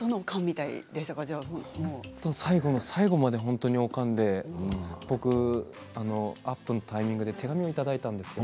最後の最後まで本当におかんで僕はアップのタイミングで手紙をいただいたんです。